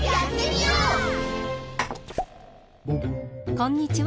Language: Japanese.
こんにちは。